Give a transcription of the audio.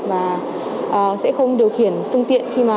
và thường xuyên vương steering game